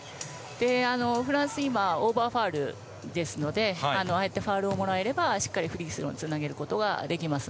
フランス、今オーバーファウルですのでああやってファウルをもらえればしっかりとフリースローにつなげることができます。